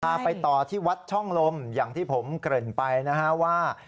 ไปต่อที่วัดช่องลมอย่างที่ผมเกริ่นไปนะฮะว่า